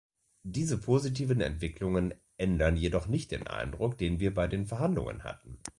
Diese positiven Entwicklungen ändern jedoch nicht den Eindruck, den wir bei den Verhandlungen hatten.